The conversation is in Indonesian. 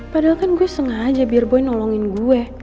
padahal kan gue sengaja biar gue nolongin gue